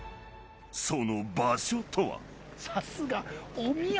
［その場所とは］